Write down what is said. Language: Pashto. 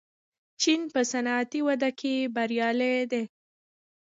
چین په صنعتي وده کې بریالی دی.